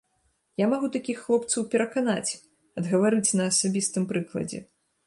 Я магу такіх хлопцаў пераканаць, адгаварыць на асабістым прыкладзе.